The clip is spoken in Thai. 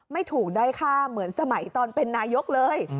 ไม่ถูกด้อยค่าเหมือนสมัยตอนเป็นนายกเลย